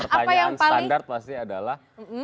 pertanyaan standar pasti adalah